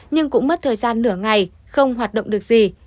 nhưng cũng mất thời gian nửa ngày không hoạt động được gì